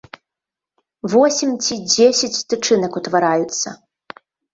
Восем ці дзесяць тычынак утвараюцца.